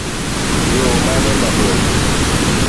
Yoo mane mabor?